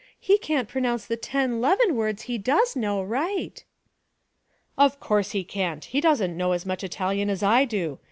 He can't pronounce the ten 'leven words he does know right.' 'Of course he can't; he doesn't know as much Italian as I do.